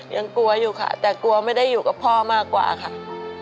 ยังกลัวอยู่ค่ะแต่กลัวไม่ได้อยู่กับพ่อมากกว่าค่ะ